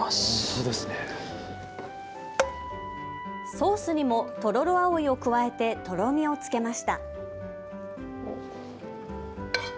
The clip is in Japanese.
ソースにもトロロアオイを加えてとろみをつけました。